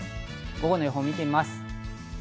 午後の予報を見てみます。